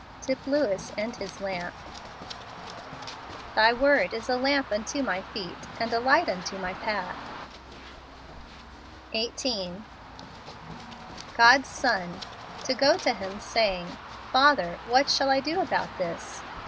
Tip Lewis and Ilis Lamp. " Thy word is a lamp unto my feet, atid a light unto my path" JANUARY. 11 18. God's son ! To go to Sim , saying, " Father, what shall I do about this